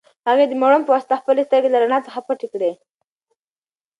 هغې د مړوند په واسطه خپلې سترګې له رڼا څخه پټې کړې.